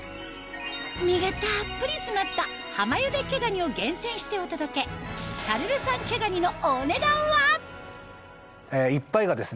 身がたっぷり詰まった浜ゆで毛ガニを厳選してお届け沙留産毛ガニのお値段は？